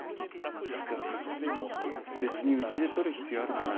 つか、別にうちで撮る必要あるかな？